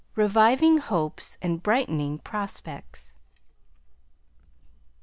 REVIVING HOPES AND BRIGHTENING PROSPECTS.